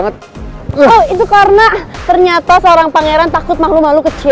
ternyata seorang pangeran takut makhluk makhluk kecil